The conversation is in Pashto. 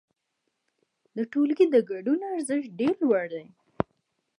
د ټولګي د ګډون ارزښت ډېر لوړ دی.